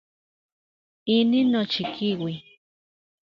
Inin nochikiui.